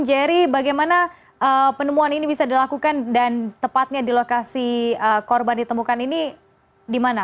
jerry bagaimana penemuan ini bisa dilakukan dan tepatnya di lokasi korban ditemukan ini di mana